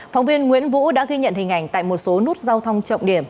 phóng viên nguyễn vũ đã ghi nhận hình ảnh tại một số nút giao thông trọng điểm